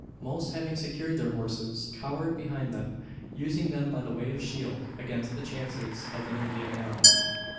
Most having secured their horses, cowered behind them using them by way of shield against the chances of an Indian arrow.